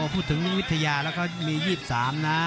พูดถึงวิทยาแล้วก็มี๒๓นะ